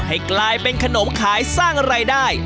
ให้กลายเป็นขนมขายสร้างรายได้